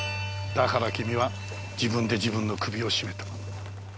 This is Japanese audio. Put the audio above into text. だから君は自分で自分の首を絞めた。